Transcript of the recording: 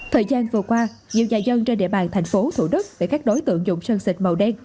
thời gian qua nhiều nhà dân trên địa bàn tp thủ đức bị các đối tượng dùng sơn xịt màu đen